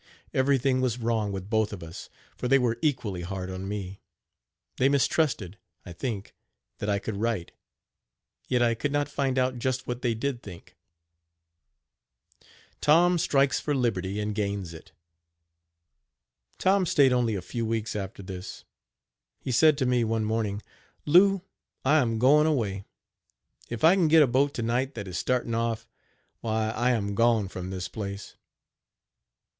Everything was wrong with both of us, for they were equally hard on me. They mistrusted, I think, that I could write; yet I could not find out just what they did think. TOM STRIKES FOR LIBERTY AND GAINS IT. Tom stayed only a few weeks after this. He said to me, one morning: "Lou, I am going away. If I can get a boat to night that is starting off, why, I am gone from this place.